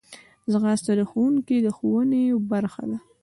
ځغاسته د ښوونکي د ښوونې برخه ده